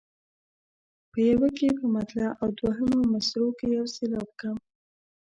په یوه کې په مطلع او دوهمو مصرعو کې یو سېلاب کم.